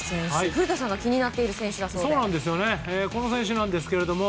古田さんが気になっている選手ですよね。